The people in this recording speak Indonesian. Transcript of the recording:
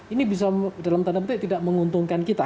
ini bisa dalam tanda petik tidak menguntungkan kita